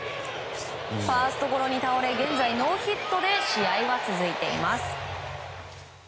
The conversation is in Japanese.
ファーストゴロに倒れ現在ノーヒットで試合は続いています。